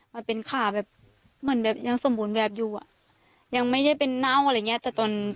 มันเป็นขาแบบยังสมบูรณ์แบบอยู่ยังไม่ได้เป็นเน่าอะไรอย่างนี้